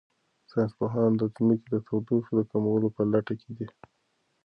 ساینس پوهان د ځمکې د تودوخې د کمولو په لټه کې دي.